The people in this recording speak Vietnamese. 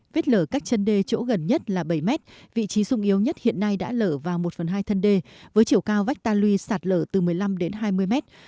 vết lở các chân đê chỗ gần nhất là bảy m vị trí sung yếu nhất hiện nay đã lở vào một hai thân đê với chiều cao vách ta lui sạt lở từ một mươi năm đến hai mươi m